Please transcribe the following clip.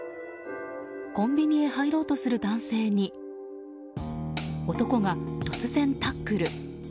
コンビニへ入ろうとする男性に男が突然タックル。